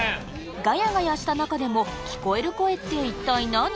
ガヤガヤした中でも聞こえる声って一体何？